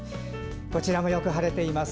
こちらもよく晴れています。